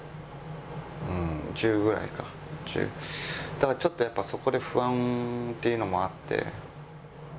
だからちょっとやっぱそこで不安っていうのもあって。